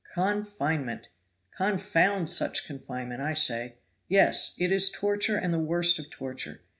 "Con finement! con found such confinement, I say. Yes, it is torture and the worst of torture.